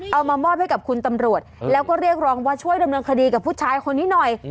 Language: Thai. เอามามอบให้กับคุณตำรวจแล้วก็เรียกร้องว่าช่วยดำเนินคดีกับผู้ชายคนนี้หน่อย